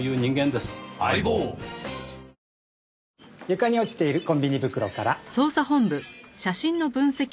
床に落ちているコンビニ袋から。